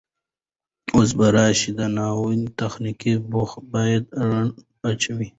اوس به راشم د ناول تخنيکي بوخو باندې ړنا اچوم